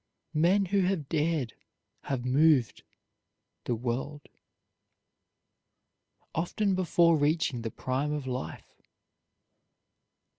Men who have dared have moved the world, often before reaching the prime of life.